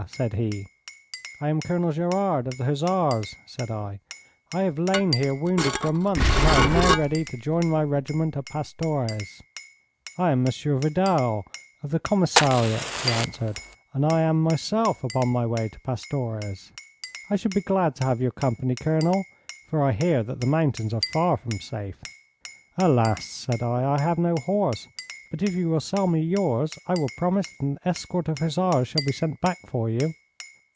said he. 'I am Colonel Gerard, of the Hussars,' said I. 'I have lain here wounded for a month, and I am now ready to rejoin my regiment at Pastores.' 'I am Monsieur Vidal, of the commissariat,' he answered, 'and I am myself upon my way to Pastores. I should be glad to have your company, Colonel, for I hear that the mountains are far from safe.' 'Alas,' said I, 'I have no horse. But if you will sell me yours, I will promise that an escort of hussars shall be sent back for you.'